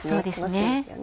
そうですね。